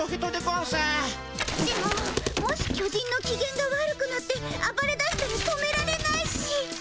でももし巨人のきげんが悪くなってあばれだしたら止められないし。